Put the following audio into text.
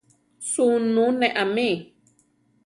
Suunú ne amí.